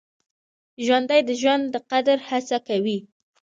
ژوندي د ژوند د قدر هڅه کوي